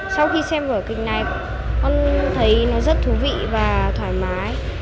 sau khi xem vở kịch này con thấy nó rất thú vị và thoải mái